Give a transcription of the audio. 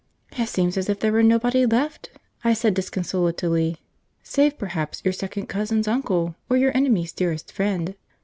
"It seems as if there were nobody left," I said disconsolately, "save perhaps your Second Cousin's Uncle, or your Enemy's Dearest Friend."